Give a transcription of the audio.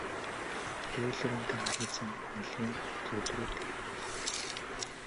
Бэйлорын түрэмгий зан нилээн зөөлрөөд ирэв.